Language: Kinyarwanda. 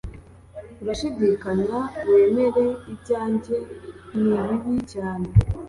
Urashidikanya wemere ibyanjye ni bibi cyane